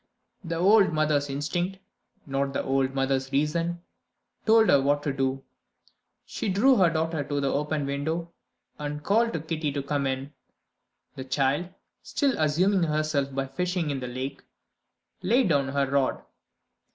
The old mother's instinct not the old mother's reason told her what to do. She drew her daughter to the open window, and called to Kitty to come in. The child (still amusing herself by fishing in the lake) laid down her rod.